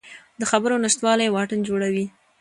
د خبرو نشتوالی واټن جوړوي